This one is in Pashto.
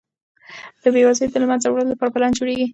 د بېوزلۍ د له منځه وړلو لپاره پلان جوړیږي.